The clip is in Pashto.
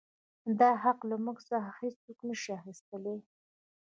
دا حـق لـه مـوږ څـخـه هـېڅوک نـه شـي اخيـستلى.